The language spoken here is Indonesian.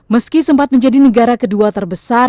meski sempat menjadi negara kedua terbesar